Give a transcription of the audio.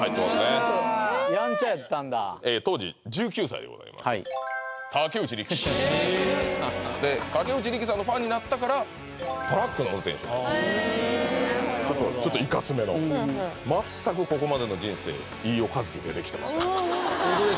ちょっとやんちゃやったんだ当時１９歳でございます竹内力氏で竹内力さんのファンになったからトラックの運転手になるちょっといかつめの全くここまでの人生あホントだ！